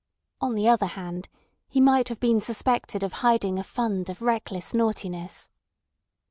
On the other hand, he might have been suspected of hiding a fund of reckless naughtiness.